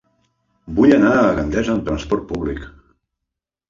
Vull anar a Gandesa amb trasport públic.